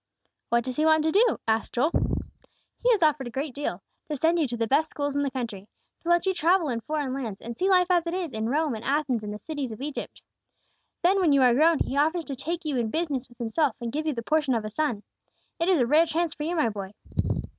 "What does he want to do?" asked Joel. "He has offered a great deal: to send you to the best schools in the country; to let you travel in foreign lands, and see life as it is in Rome and Athens and the cities of Egypt. Then when you are grown, he offers to take you in business with himself, and give you the portion of a son. It is a rare chance for you, my boy."